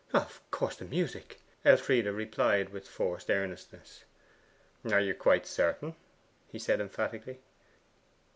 'Of course the music,' Elfride replied with forced earnestness. 'You are quite certain?' he said emphatically.